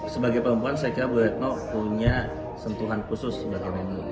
sebagai perempuan saya kira bu retno punya sentuhan khusus barah dunia